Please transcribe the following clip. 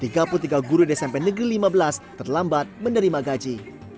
tiga puluh tiga guru di smp negeri lima belas terlambat menerima gaji